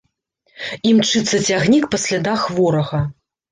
Імчыцца цягнік па слядах ворага.